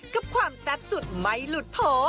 กับความแซ่บสุดไม่หลุดโผล่